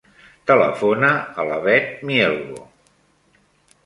Telefona a la Bet Mielgo.